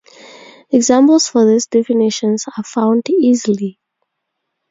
Examples for these definitions are found easily.